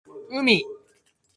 Umi!